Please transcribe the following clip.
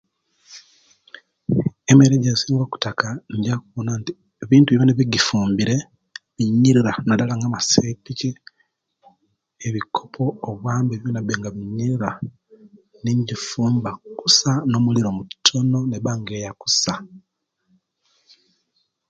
Emere ejensinga okutaka njaba okuwonanti ebintu byonabyona ebigifumbire binyirira nadala nga amasepiki, ebikopo oba byona byona bibbe nga binyirira nenjifumba kusa nomuliro mutono neba nga eya kusa